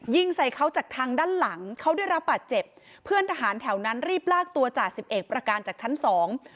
ยิงใส่เขาจากทางด้านหลังเขาได้รับบาดเจ็บเพื่อนทหารแถวนั้นรีบลากตัวจ่าสิบเอกประการจากชั้นสอง